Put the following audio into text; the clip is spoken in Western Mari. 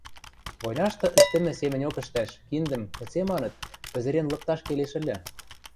Войнашты ӹштӹмӹ семӹньок ӹштӓш, киндӹм, кыце маныт, пӹзӹрен лыкташ келеш ыльы.